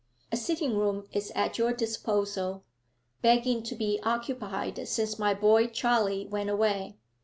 A sitting room is at your disposal begging to be occupied since my boy Charlie went away.